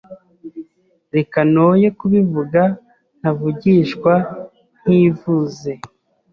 Reka noye kubivuga Ntavugishwa ntivuze